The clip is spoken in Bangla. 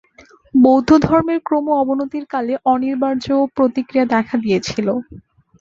বৌদ্ধধর্মের ক্রম-অবনতির কালে অনিবার্য প্রতিক্রিয়া দেখা দিয়েছিল।